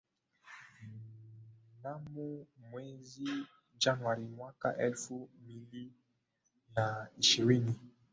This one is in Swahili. Mnamo mwezi Januari mwaka elfu mili na ishirini